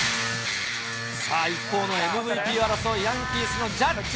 さあ、一方のＭＶＰ争い、ヤンキースのジャッジ。